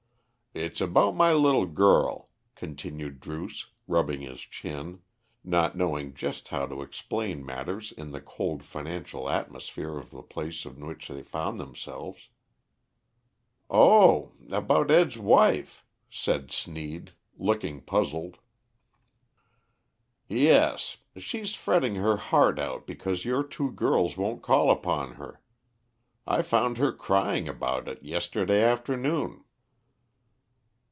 "It's about my little girl," continued Druce, rubbing his chin, not knowing just how to explain matters in the cold financial atmosphere of the place in which they found themselves. "Oh! About Ed.'s wife," said Sneed, looking puzzled. "Yes. She's fretting her heart out because your two girls won't call upon her. I found her crying about it yesterday afternoon."